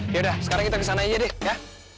yaudah sekarang kita kesana aja deh ya